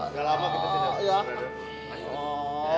gak lama kita sini